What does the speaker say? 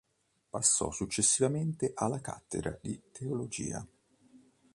Passò successivamente alla cattedra di teologia.